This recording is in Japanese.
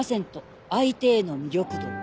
「相手への魅力度Ｂ」